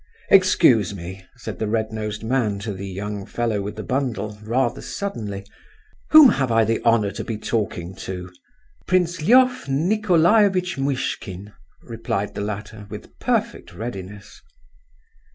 "Excuse me," said the red nosed man to the young fellow with the bundle, rather suddenly; "whom have I the honour to be talking to?" "Prince Lef Nicolaievitch Muishkin," replied the latter, with perfect readiness.